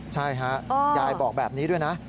ใช่ฮะยายบอกแบบนี้ด้วยนะ